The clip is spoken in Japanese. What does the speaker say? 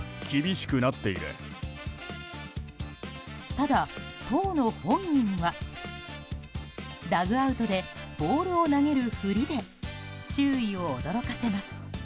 ただ、当の本人はダッグアウトでボールを投げるふりで周囲を驚かせます。